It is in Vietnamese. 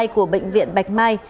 của bệnh viện bạch mai